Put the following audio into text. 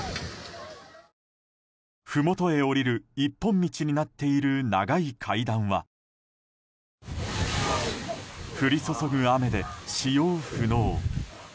ふもとへ下りる一本道になっている長い階段は降り注ぐ雨で使用不能。